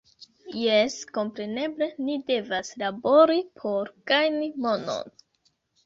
Jes kompreneble ni devas labori por gajni monon